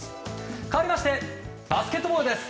かわりましてバスケットボールです。